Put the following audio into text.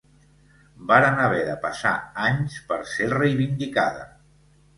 Varen haver de passar anys per ser reivindicada.